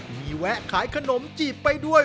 มีแวะขายขนมจีบไปด้วย